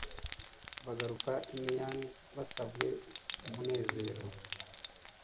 bagaruka i Naini basabwe u'umunezero.